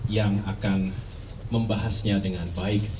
yang akan membahasnya dengan baik